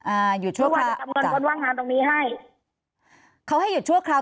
อ่าหยุดชั่วคราวคนว่างงานตรงนี้ให้เขาให้หยุดชั่วคราว